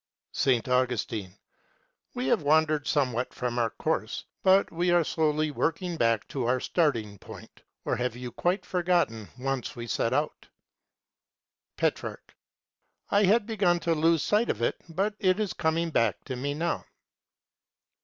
S. Augustine. We have wandered somewhat from our course, but we are slowly working back to our starting point. Or have you quite forgotten whence we set out? Petrarch. I had begun to lose sight of it, but it is coming back to me now.